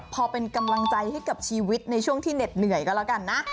พอเป็นกำลังใจให้กับชีวิตในช่วงที่เหน็ดเหนื่อยก็แล้วกันนะ